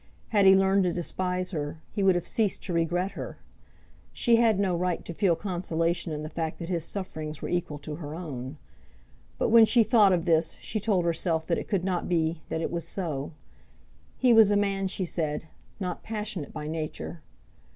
Had he learned to despise her, he would have ceased to regret her. She had no right to feel consolation in the fact that his sufferings were equal to her own. But when she thought of this, she told herself that it could not be that it was so. He was a man, she said, not passionate by nature.